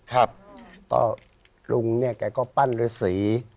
แล้วลุงเนี่ยแกก็ปั้นฤสี